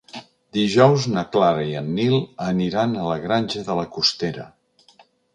Dijous na Clara i en Nil aniran a la Granja de la Costera.